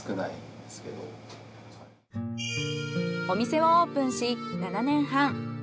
お店をオープンし７年半。